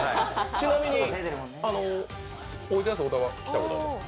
ちなみに、おいでやす小田は来たことあります？